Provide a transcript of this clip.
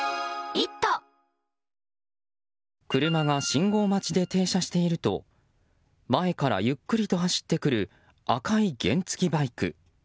車が信号待ちで停車していると前からゆっくりと走ってくる赤い原付きバイク。